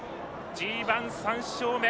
ＧＩ、３勝目！